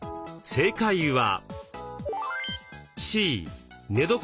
正解は。